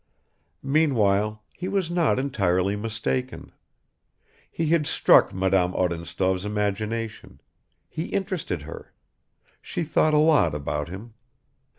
Meanwhile he was not entirely mistaken. He had struck Madame Odintsov's imagination; he interested her; she thought a lot about him.